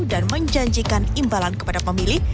dan menjanjikan imbalan kepada pemilih